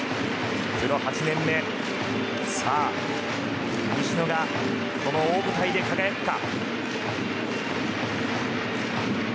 プロ８年目、西野がこの大舞台で輝くか。